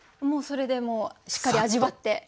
もうそれでしっかり味わって？